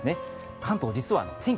関東、実は天気